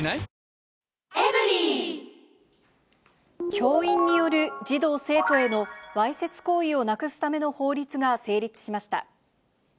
教員による児童・生徒へのわいせつ行為をなくすための法律が成立しました。